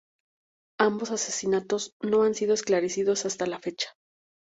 Ambos asesinatos no han sido esclarecidos hasta la fecha.